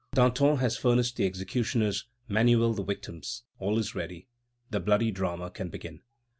Danton has furnished the executioners; Manuel, the victims. All is ready. The bloody drama can begin.